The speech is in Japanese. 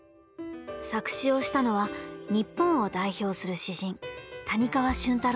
作詞をしたのは日本を代表する詩人谷川俊太郎さんです。